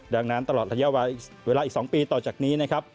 ดังนั้นตลอดระยะเวลาอีก๒ปีต่อจากนี้นะครับ